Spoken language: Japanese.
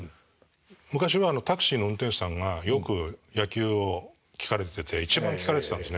昔はタクシーの運転手さんがよく野球を聞かれてて一番聞かれてたんですね。